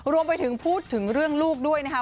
รวมไปถึงพูดถึงเรื่องลูกด้วยนะคะ